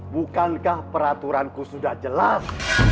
bukankah peraturanku sudah jelas